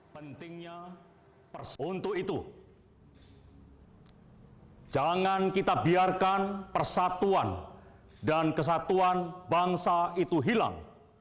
pentingnya untuk itu jangan kita biarkan persatuan dan kesatuan bangsa itu hilang